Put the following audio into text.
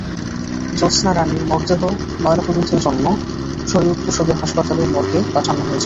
জ্যোৎস্না রানীর মরদেহ ময়নাতদন্তের জন্য শরীয়তপুর সদর হাসপাতালের মর্গে পাঠানো হয়েছে।